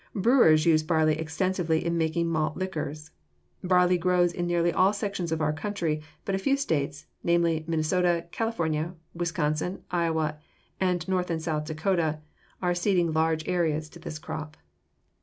Brewers use barley extensively in making malt liquors. Barley grows in nearly all sections of our country, but a few states namely, Minnesota, California, Wisconsin, Iowa, and North and South Dakota are seeding large areas to this crop.